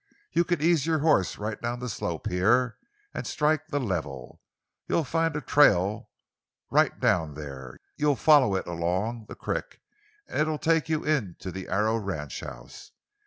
You can ease your horse right down the slope, here, an' strike the level. You'll find a trail right down there. You'll follow it along the crick, an' it'll take you into the Arrow ranchhouse.